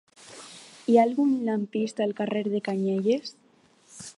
Hi ha algun lampista al carrer de Canyelles?